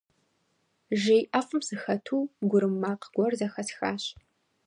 Жей ӀэфӀым сыхэту, гурым макъ гуэр зэхэсхащ.